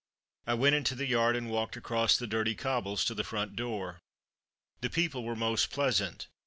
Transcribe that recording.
I went into the yard and walked across the dirty cobbles to the front door. The people were most pleasant.